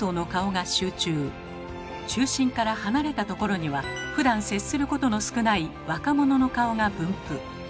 中心から離れたところにはふだん接することの少ない若者の顔が分布。